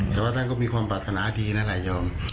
แต่ว่าท่านก็มีความปรารถนาดีนั่นแหละยอม